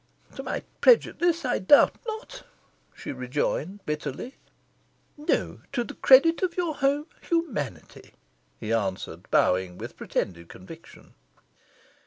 "To my prejudice, I doubt not," she rejoined, bitterly. "No, to the credit of your humanity," he answered, bowing, with pretended conviction.